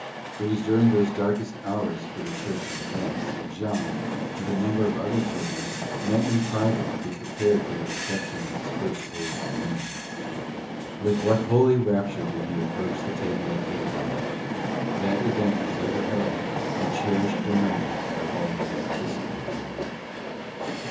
It was during those darkest hours for the Church in France, that Jean, with a number of other children, met in private to be prepared for the reception of his First Holy Communion. With what holy rapture did he approach the table of the Lord. That event was ever held in cherished remembrance by all who participated in it.